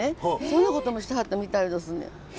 そんなこともしてはったみたいどすねん。